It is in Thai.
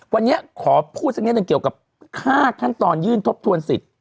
วันนี้ขอพูดเรื่อยเกี่ยวกับ๕ขั้นตอนยื่นทบทวนสิทธิ์